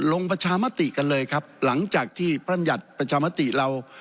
ลงประชามติกันเลยครับหลังจากที่พระบรรยัติประชามติเรา